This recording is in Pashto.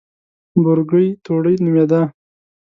بورګۍ توړۍ نومېده.